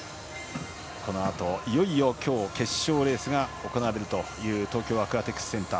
このあといよいよ今日、決勝レースが行われるという東京アクアティクスセンター。